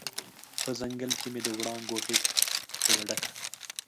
په ځنګل کې مې د وړانګو غیږ کړه ډکه